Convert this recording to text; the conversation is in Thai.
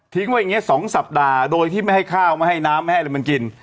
ไว้อย่างนี้๒สัปดาห์โดยที่ไม่ให้ข้าวไม่ให้น้ำไม่ให้อะไรมันกิน